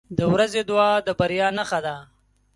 • د ورځې دعا د بریا نښه ده.